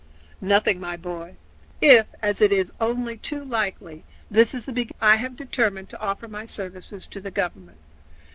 "Nothing, my boy. If, as it is only too likely, this is the beginning of a civil war, I have determined to offer my services to the government.